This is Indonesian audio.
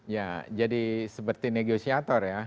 ya jadi seperti negosiator ya